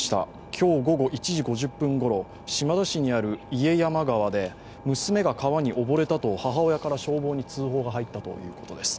今日午後１時５０分ごろ島田市にある家山川で娘が川に溺れたと母親から消防に通報があったということです。